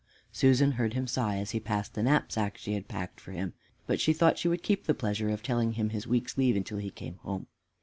Susan heard him sigh as he passed the knapsack she had packed for him, but she thought she would keep the pleasure of telling him of his week's leave until he came home.